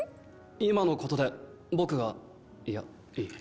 今のことで僕がいやいい。